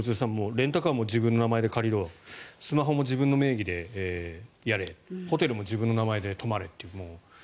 レンタカーも自分の名前で借りろスマホも自分も名義でやれホテルも自分の名前でやれと。